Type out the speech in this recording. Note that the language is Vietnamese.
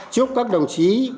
chúc các đồng chí